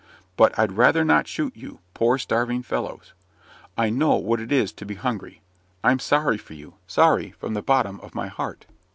But I'd rather not shoot you, poor, starving fellows! I know what it is to be hungry. I'm sorry for you sorry from the bottom of my heart."